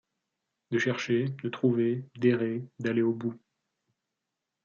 De chercher, de trouver, d’errer, d’aller au bout ;